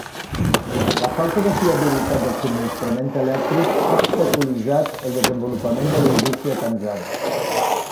La falta de fiabilitat del subministrament elèctric ha obstaculitzat el desenvolupament de la indústria tanzana.